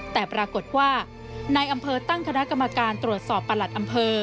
แต่ปรากฏว่านายอำเภอตั้งคณะกรรมการตรวจสอบประหลัดอำเภอ